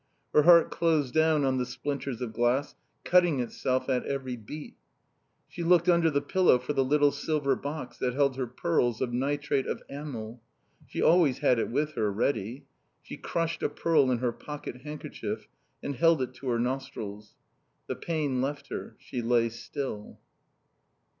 Her heart closed down on the splinters of glass, cutting itself at every beat. She looked under the pillow for the little silver box that held her pearls of nitrate of amyl. She always had it with her, ready. She crushed a pearl in her pocket handkerchief and held it to her nostrils. The pain left her. She lay still.